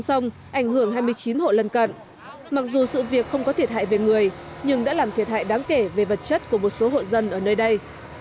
ông nguyễn ngọc hè trưởng ban phòng chống thiên tai